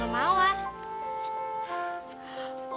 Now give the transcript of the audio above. pemeran bunga maor